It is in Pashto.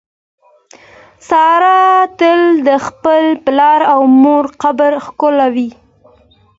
ساره تل د خپل پلار او مور قبر ښکلوي.